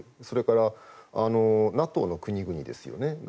それからＮＡＴＯの国々ですね